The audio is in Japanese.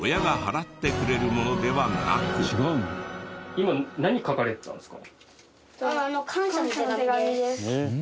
今何書かれてたんですか？